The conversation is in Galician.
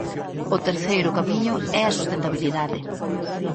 O terceiro camiño é a sustentabilidade.